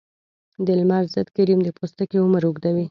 د لمر ضد کریم د پوستکي عمر اوږدوي.